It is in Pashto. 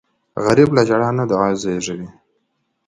غریب له ژړا نه دعا زېږوي